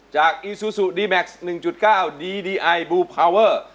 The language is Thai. จากอีซูซูดีแม็กซ์หนึ่งจุดเก้าดีดีไอบูพาเวอร์